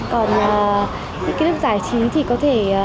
còn lúc giải trí thì có thể